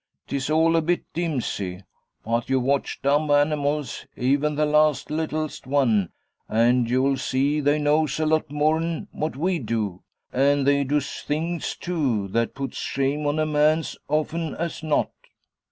''T es all a bit dimsy. But you watch dumb animals, even the laste littlest one, an' yu'll zee they knows a lot more'n what we du; an' they du's things tu that putts shame on a man 's often as not.